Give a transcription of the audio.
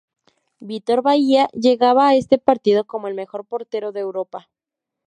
Vítor Baía llegaba a este partido como el Mejor portero de Europa.